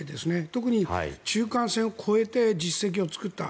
特に中間線を越えて実績を作った。